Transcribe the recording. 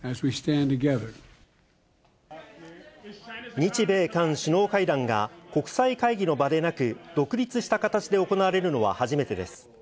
日米韓首脳会談が国際会議の場でなく、独立した形で行われるのは初めてです。